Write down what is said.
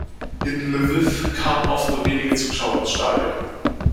In Lwiw kamen oft nur wenige Zuschauer ins Stadion.